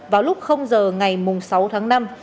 vào lúc giờ ngày sáu tháng năm